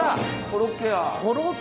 コロッケ！